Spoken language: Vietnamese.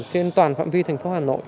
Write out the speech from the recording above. trên toàn phạm vi thành phố hà nội